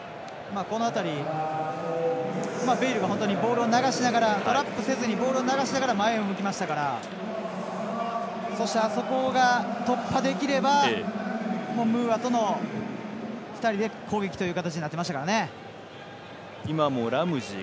この辺り、ベイルがボールを流しながらトラップせずにボールを流しながら前を向きましたからそして、あそこが突破できればムーアとの２人で攻撃という形になってましたからね。